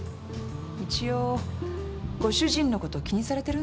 一応ご主人のこと気にされてるんですね。